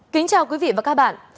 kính chào quý vị và các bạn